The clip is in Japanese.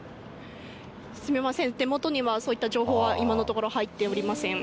すみません、手元には、そういった情報は今のところ入っていません。